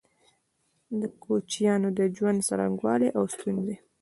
د کوچيانو د ژوند څرنګوالی او ستونزي